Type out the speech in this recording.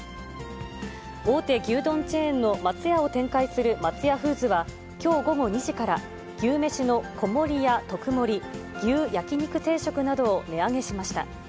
大手牛丼チェーンの松屋を展開する松屋フーズはきょう午後２時から、牛めしの小盛や特盛、牛焼肉定食などを値上げしました。